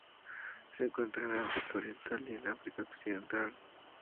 Se encuentra en África oriental y en África occidental.